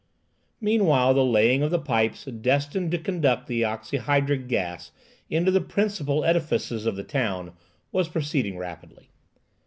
Meanwhile, the laying of the pipes destined to conduct the oxyhydric gas into the principal edifices of the town was proceeding rapidly.